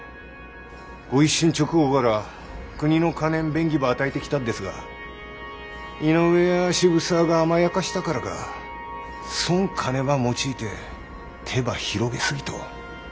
御一新直後から国の金ん便宜ば与えてきたっですが井上や渋沢が甘やかしたからかそん金ば用いて手ば広げ過ぎとう。